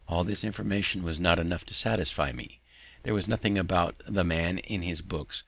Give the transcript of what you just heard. All this information was not enough to satisfy me; there was nothing about the man in his books.